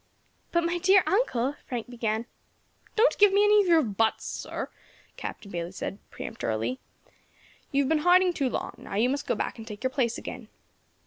"But, my dear uncle," Frank began. "Don't give me any of your buts, sir," Captain Bayley said peremptorily. "You have been hiding too long, now you must go back and take your place again."